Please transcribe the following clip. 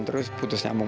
terus putus nyambung